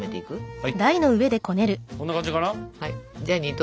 はい。